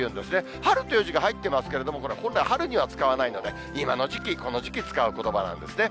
春っていう字が入ってますけれども、これ本来、春には使わないので、今の時期、この時期に使うことばなんですね。